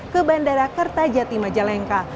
ke bandara kertajati majalengka